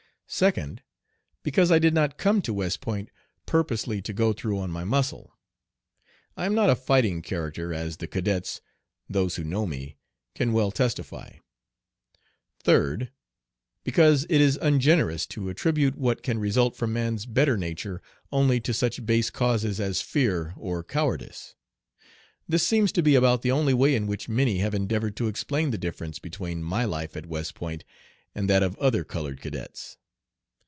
Second. Because I did not come to West Point purposely to "go through on my muscle." I am not a fighting character, as the cadets those who know me can well testify. Third. Because it is ungenerous to attribute what can result from man's better nature only to such base causes as fear or cowardice. This seems to be about the only way in which many have endeavored to explain the difference between my life at West Point and that of other colored cadets.